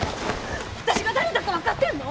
私が誰だか分かってんの！？